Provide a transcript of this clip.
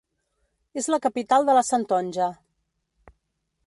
És la capital de la Santonja.